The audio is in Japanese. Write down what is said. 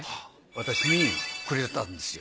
私にくれたんですよ。